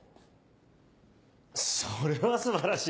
それは素晴らしい。